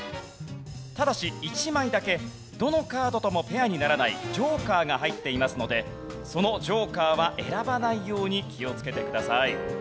ただし１枚だけどのカードともペアにならないジョーカーが入っていますのでそのジョーカーは選ばないように気をつけてください。